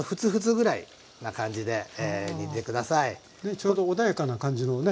ちょうど穏やかな感じのね。